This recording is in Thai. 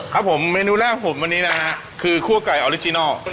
ครับผมเมนูแรกของผมวันนี้นะฮะคือคั่วไก่ออริจินัล